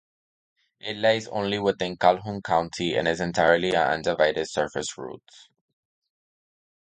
It lies only within Calhoun County and is entirely an undivided surface route.